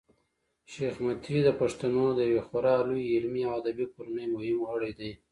شېخ متي د پښتنو د یوې خورا لويي علمي او ادبي کورنۍمهم غړی دﺉ.